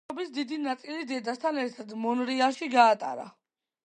ბავშვობის დიდი ნაწილი დედასთან ერთად მონრეალში გაატარა.